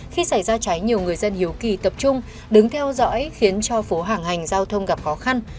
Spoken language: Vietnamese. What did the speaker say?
khi xảy ra cháy nhiều người dân hiếu kỳ tập trung đứng theo dõi khiến cho phố hàng hành giao thông gặp khó khăn